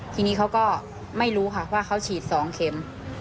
ทีนี้เขาก็ไม่รู้ค่ะว่าเขาฉีด๒เข็ม